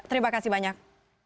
terima kasih banyak